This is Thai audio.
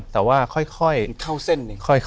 แต่ว่าค่อยเข้าเส้น